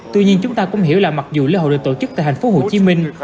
tuy nhiên chúng ta cũng hiểu là mặc dù lễ hội được tổ chức tại thành phố hồ chí minh